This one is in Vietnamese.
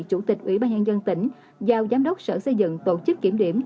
chủ tịch ủy ban nhân dân tỉnh giao giám đốc sở xây dựng tổ chức kiểm điểm